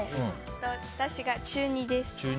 私が中２です。